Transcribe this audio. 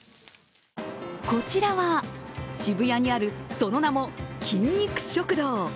こちらは渋谷にある、その名も筋肉食堂。